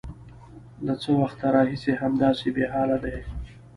_له څه وخته راهيسې همداسې بېحاله دی؟